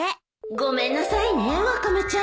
ごめんなさいねワカメちゃん